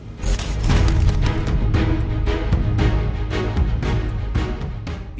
tidak hanya hukum pidana dua belas tahun mario dendy juga harus membayar denda restitusi kekeluargaan dedy